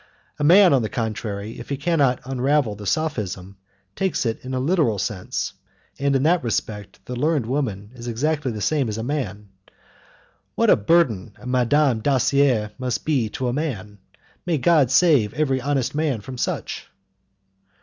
A man, on the contrary, if he cannot unravel the sophism, takes it in a literal sense, and in that respect the learned woman is exactly the same as man. What a burden a Madame Dacier must be to a man! May God save every honest man from such!